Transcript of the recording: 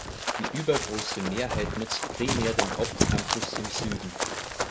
Die übergroße Mehrheit nutzt primär den Hauptcampus im Süden.